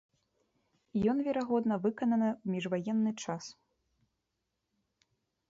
Ён, верагодна, выкананы ў міжваенны час.